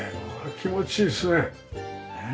気持ちいいですねねえ。